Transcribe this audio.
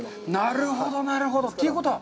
なるほど、なるほど。ということは。